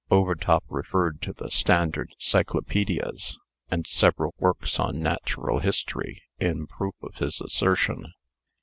Overtop referred to the standard Cyclopaedias, and several works on Natural History, in proof of his assertion.